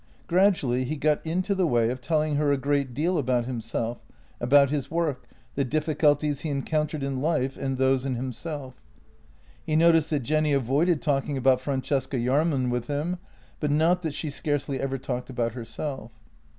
Gradually he got into the way of telling her a great deal about himself — about his work, the difficulties he en countered in life and those in himself. He noticed that Jenny avoided talking about Francesca Jahrman with him, but not that she scarcely ever talked about herself.